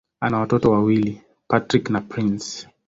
Ana watoto wawili: Patrick na Prince.